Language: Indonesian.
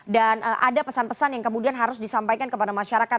dan ada pesan pesan yang kemudian harus disampaikan kepada masyarakat